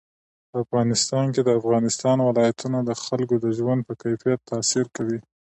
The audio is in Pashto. په افغانستان کې د افغانستان ولايتونه د خلکو د ژوند په کیفیت تاثیر کوي.